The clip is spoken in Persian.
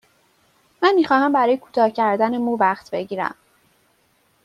من می خواهم برای کوتاه کردن مو وقت بگیرم.